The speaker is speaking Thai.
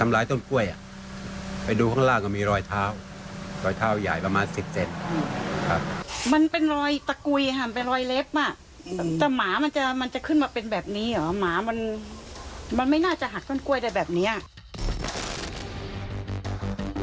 หมามันไม่น่าจะหักต้นกล้วยได้แบบนี้